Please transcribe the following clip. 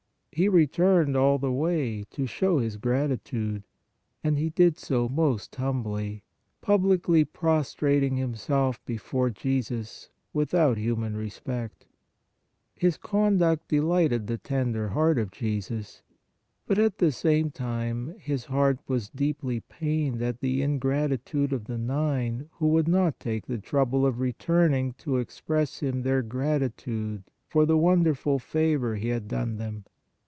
He returned all the way to show his gratitude, and he did so most humbly, publicly prostrating himself before Jesus, without human respect. His conduct delighted the tender Heart of Jesus. But, at the same time, His Heart w r as deeply pained at the in gratitude of the nine who would not take the trouble of returning to express to Him their gratitude for the wonderful favor He had done them